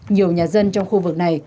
nhiều nhà dân trong khu vực này